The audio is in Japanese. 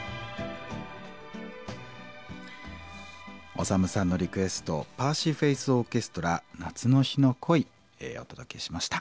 オサムさんのリクエストパーシー・フェイス・オーケストラ「夏の日の恋」お届けしました。